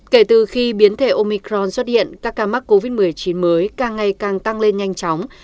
kể từ khi biến thể omicron xuất hiện các ca mắc covid một mươi chín mới càng ngày càng tăng lên nhanh chóng